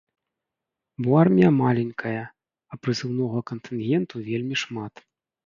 Бо армія маленькая, а прызыўнога кантынгенту вельмі шмат.